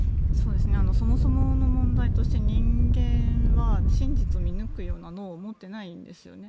そもそもの問題として人間は真実を見抜くような脳を持ってないんですよね。